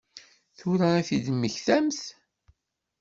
Tura i t-id-temmektamt?